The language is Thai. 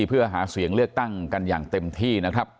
เพื่อหาเสียงเลือกตั้งกันอย่างเต็มที่นะครับ